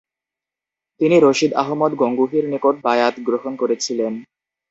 তিনি রশিদ আহমদ গাঙ্গুহির নিকট বায়আত গ্রহণ করেছিলেন।